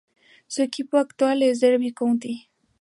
Su equipo actual es el Derby County.